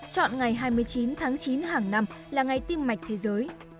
chọn ngày hai mươi chín tháng chín hàng năm là ngày tim mạch thế giới